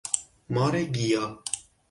مار گیا